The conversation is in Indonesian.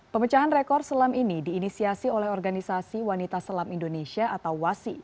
pemecahan rekor selam ini diinisiasi oleh organisasi wanita selam indonesia atau wasi